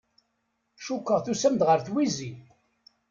Cukkeɣ tusam-d ɣer twizi.